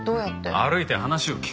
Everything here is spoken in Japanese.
歩いて話を聞け。